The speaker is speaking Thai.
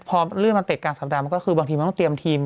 พอเรื่องมันติดกลางสัปดาห์มันก็คือบางทีมันต้องเตรียมทีม